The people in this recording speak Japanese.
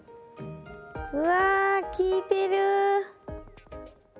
うわ効いてる！